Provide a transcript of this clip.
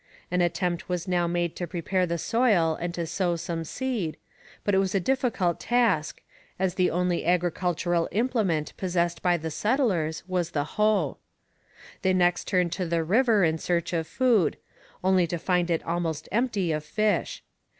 An attempt was now made to prepare the soil and to sow some seed, but it was a difficult task, as the only agricultural implement possessed by the settlers was the hoe. They next turned to the river in search of food, only to find it almost empty of fish.